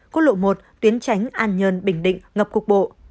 quốc lộ một tuyến tránh an nhân bình định ngập cuộc bộ